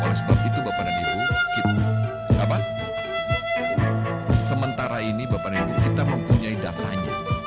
oleh sebab itu bapak dan ibu kita mempunyai datanya